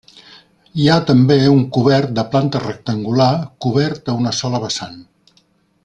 Hi ha també un cobert de planta rectangular cobert a una sola vessant.